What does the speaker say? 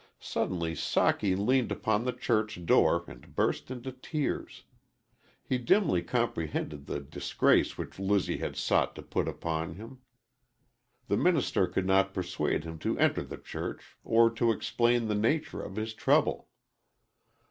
Suddenly Socky leaned upon the church door and burst into tears. He dimly comprehended the disgrace which Lizzie had sought to put upon him. The minister could not persuade him to enter the church or to explain the nature of his trouble.